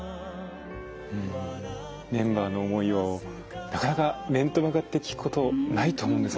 メンバーの思いをなかなか面と向かって聞くことないと思うんですが。